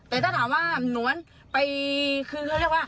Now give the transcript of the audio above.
แต่ถ้าถามว่าหน้วนไปคือเขาเรียกว่า